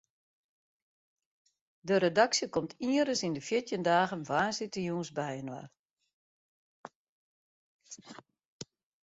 De redaksje komt ienris yn de fjirtjin dagen woansdeitejûns byinoar.